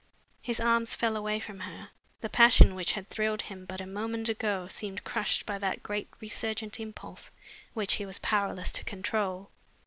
His arms fell away from her. The passion which had thrilled him but a moment ago seemed crushed by that great resurgent impulse which he was powerless to control.